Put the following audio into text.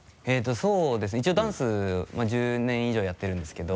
そうですね一応ダンス１０年以上やってるんですけど。